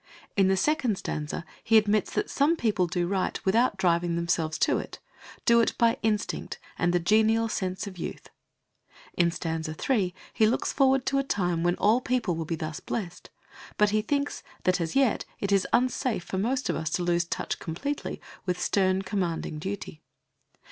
In the second stanza he admits that some people do right without driving themselves to it do it by instinct and "the genial sense of youth." In stanza 3 he looks forward to a time when all people will be thus blessed, but he thinks that as yet it is unsafe for most of us to lose touch completely with stern, commanding duty.